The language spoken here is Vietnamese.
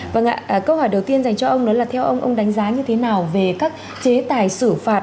vâng ạ câu hỏi đầu tiên dành cho ông đó là theo ông ông đánh giá như thế nào về các chế tài xử phạt